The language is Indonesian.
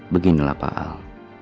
beginilah pak al